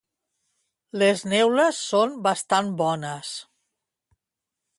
Les neules són bastant bones